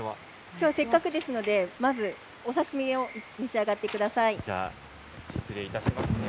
きょうはせっかくですのでまずお刺身を召し上がってでは、失礼いたしますね。